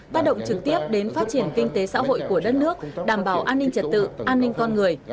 tác động trực tiếp đến phát triển kinh tế xã hội của đất nước đảm bảo an ninh trật tự an ninh con người